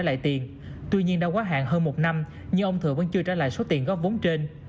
lại tiền tuy nhiên đã quá hạn hơn một năm nhưng ông thượng vẫn chưa trả lại số tiền góp vốn trên